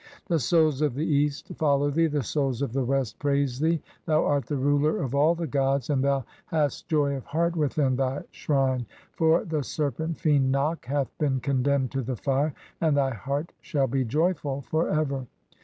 The souls of the East follow thee, the souls of the "West praise thee. Thou art the ruler of all the gods and thou "hast joy of heart within thy shrine ; for the serpent fiend Nak "hath been condemned to the fire, and thy heart shall be jovful "for ever.